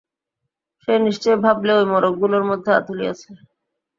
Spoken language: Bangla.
সে নিশ্চয় ভাবলে ঐ মোড়কগুলোর মধ্যে আধুলি আছে।